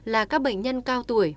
là các bệnh nhân cao tuổi